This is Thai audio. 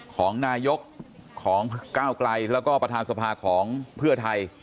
ของนายกของก้าวไกลแล้วก็ประธานสภาของเพื่อไทย